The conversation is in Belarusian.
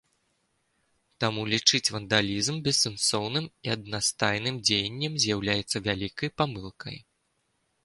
Таму лічыць вандалізм бессэнсоўным і аднастайным дзеяннем з'яўляецца вялікай памылкай.